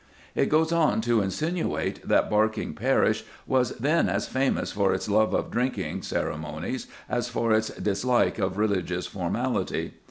It goes on to insinuate "that Barking parish was then as famous for its love of drinking ceremonies as for its dislike of religious formality."